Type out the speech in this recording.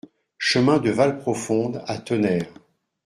Chemin de Valprofondes à Tonnerre